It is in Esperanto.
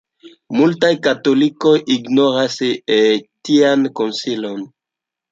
Multaj katolikoj ignoras tian konsilon.